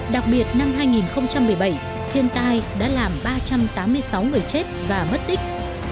đặc biệt năm hai nghìn một mươi bảy thiên tai đã làm ba trăm tám mươi sáu người chết và mất tích